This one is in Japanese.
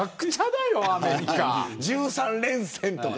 １３連戦とか。